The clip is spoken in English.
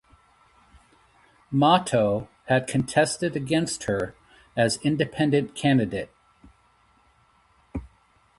Mahto had contested against her as Independent candidate.